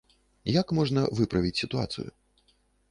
Як можна выправіць сітуацыю?